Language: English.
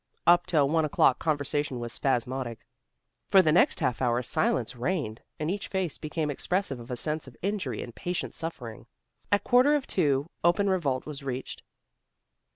Up till one o'clock conversation was spasmodic. For the next half hour silence reigned, and each face became expressive of a sense of injury and patient suffering. At quarter of two, open revolt was reached.